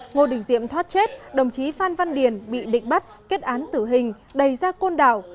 ngô đình diệm thoát chết đồng chí phan văn điền bị định bắt kết án tử hình đầy ra côn đảo